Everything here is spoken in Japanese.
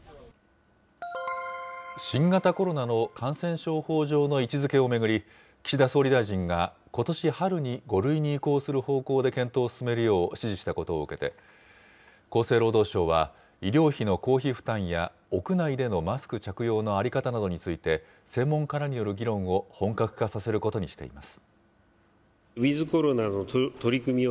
新型コロナの感染症法上の位置づけを巡り、岸田総理大臣がことし春に５類に移行する方向で検討を進めるよう指示したことを受けて、厚生労働省は、医療費の公費負担や屋内でのマスク着用の在り方などについて、専門家らによる議論を本格化させることにしています。